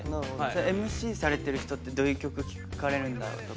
ＭＣされてる人ってどういう曲聴かれるんだろうとか。